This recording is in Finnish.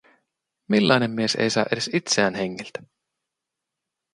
Millainen mies ei saa edes itseään hengiltä?